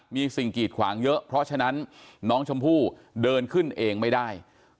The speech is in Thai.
มีสิ่งกีดขวางเยอะเพราะฉะนั้นน้องชมพู่เดินขึ้นเองไม่ได้